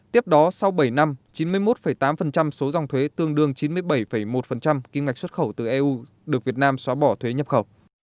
tiếp đó sau bảy năm chín mươi một tám số dòng thuế tương đương chín mươi bảy một kim ngạch xuất khẩu từ eu được việt nam xóa bỏ thuế nhập khẩu